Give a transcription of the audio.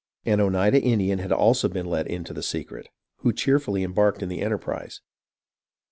An Oneida Indian had also been let into the secret, who cheerfully embarked in the enterprise.